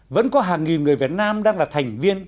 vẫn có hàng nghìn người việt nam đang là thành viên